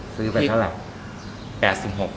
ซื้อไปเท่าไหร่